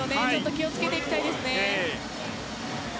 気をつけていきたいですね。